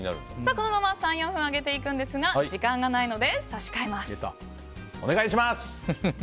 このまま３４分揚げていくんですが時間がないので差し替えます。